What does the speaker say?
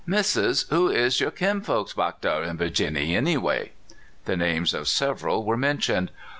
"Missus, who is yer kinfolks back dar in Vir giniiy, any way?" The names of several were mentioned.